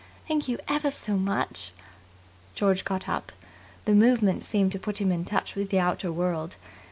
"Thank you ever so much." George got up. The movement seemed to put him in touch with the outer world.